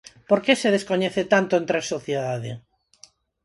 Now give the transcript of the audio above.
Por que se descoñece tanto entre a sociedade?